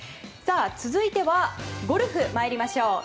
続いてはゴルフまいりましょう。